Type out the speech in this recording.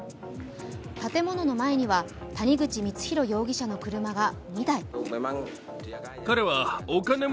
建物の前には谷口光弘容疑者の車が２台。